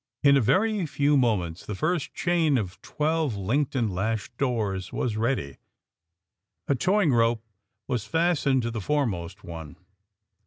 In a very few moments the first chain of 132 THE SUBMAEINE BOYS twelve linked and lashed doors was ready. A towing rope was fastened to the foremost one.